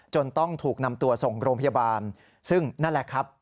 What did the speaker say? ต้องถูกนำตัวส่งโรงพยาบาลซึ่งนั่นแหละครับ